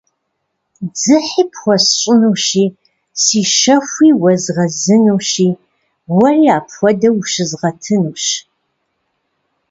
Дзыхьи пхуэсщӏынущи, си щэхуи уэзгъэзынущи, уэри апхуэдэу ущызгъэтынущ.